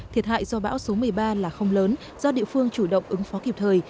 thiệt hại do bão số một mươi ba là không lớn do địa phương chủ động ứng phó kịp thời